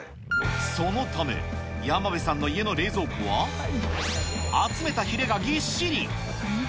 そのため、山辺さんの家の冷蔵庫は、集めたヒレがぎっしり。